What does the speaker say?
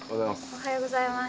おはようございます。